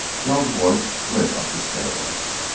Kells' voice slid up the scale.